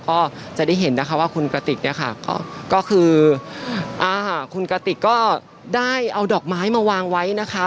ก็จะได้เห็นนะคะว่าคุณกระติกเนี่ยค่ะก็คือคุณกระติกก็ได้เอาดอกไม้มาวางไว้นะคะ